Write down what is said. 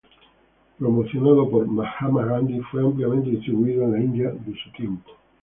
Promocionado por Mahatma Gandhi, fue ampliamente distribuido en la India de su tiempo.